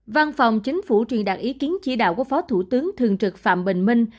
văn phòng chính phủ trì đạt ý kiến chỉ đạo của phó thủ tướng thường trực phạm bình minh